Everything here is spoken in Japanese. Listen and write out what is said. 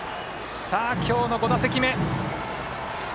今日の５打席目。